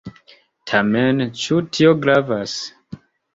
Tamen, ĉu tio gravas?